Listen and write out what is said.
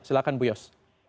silahkan bu yos